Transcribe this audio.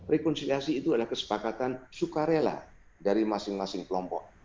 rekonsiliasi itu adalah kesepakatan sukarela dari masing masing kelompok